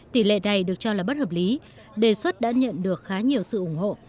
tỷ lệ này được cho là bất hợp lý đề xuất đã nhận được khá nhiều sự ủng hộ